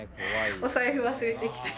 お財布忘れてきたり？